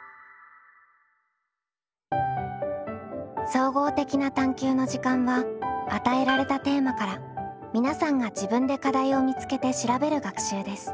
「総合的な探究の時間」は与えられたテーマから皆さんが自分で課題を見つけて調べる学習です。